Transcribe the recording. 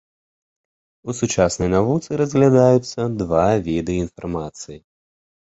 У сучаснай навуцы разглядаюцца два віды інфармацыі.